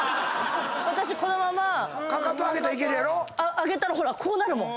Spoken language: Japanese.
上げたらほらっこうなるもん。